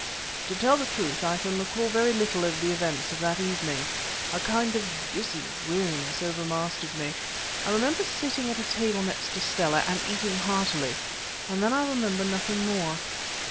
To tell the truth I can recall very little of the events of that evening. A kind of dizzy weariness overmastered me. I remember sitting at a table next to Stella, and eating heartily, and then I remember nothing more.